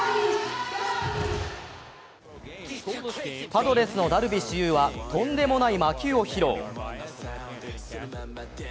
パドレスのダルビッシュ有はとんでもない魔球を披露。